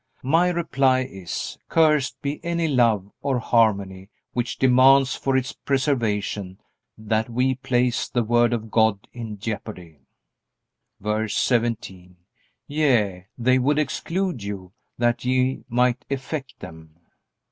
My reply is, cursed be any love or harmony which demands for its preservation that we place the Word of God in jeopardy! VERSE 17. Yea, they would exclude you, that ye might affect them.